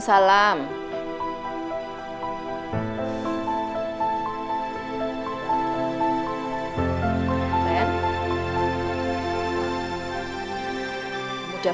saya mau kerja di rumah